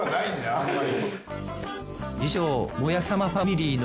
あんまり。